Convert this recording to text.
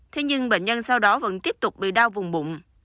thế nhưng bệnh nhân sau đó vẫn tiếp tục bị đau vùng bụng